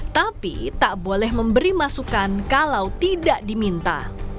tapi tak boleh memberi masukan kalau tidak diminta